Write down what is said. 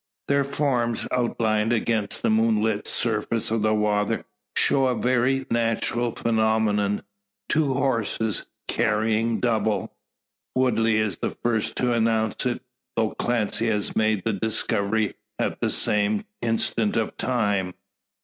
Their forms, outlined against the moonlit surface of the water, show a very natural phenomenon two horses carrying double. Woodley is the first to announce it, though Clancy has made the discovery at the same instant of time.